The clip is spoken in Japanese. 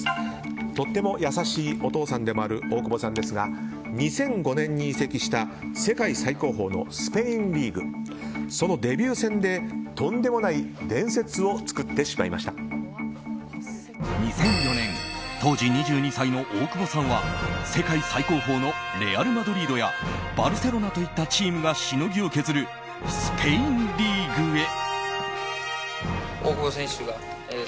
とても優しいお父さんでもある大久保さんですが２００５年に移籍した世界最高峰のスペインリーグそのデビュー戦でとんでもない伝説を２００４年当時２２歳の大久保さんは世界最高峰のレアル・マドリードやバルセロナといったチームがしのぎを削るスペインリーグへ。